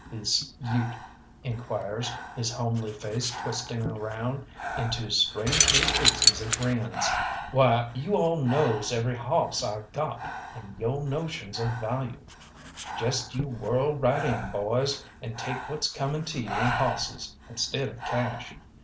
this Ute inquires, his homely face twisting around into strange new species of grins. "Why, you all knows every hawss I got, and has yo' notions of value. Jest you whirl right in, boys, and take what's coming to you in hawsses instead of cash.